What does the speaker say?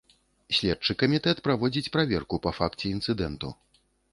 Следчы камітэт праводзіць праверку па факце інцыдэнту.